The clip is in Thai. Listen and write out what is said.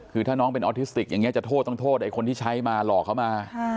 คือถ้าน้องเป็นออทิสติกอย่างนี้จะโทษต้องโทษไอ้คนที่ใช้มาหลอกเขามา